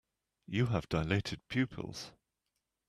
You have dilated pupils.